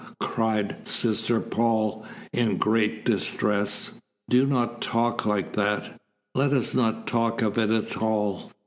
cried Sister Paul, in great distress. "Do not talk like that let us not talk of it at all!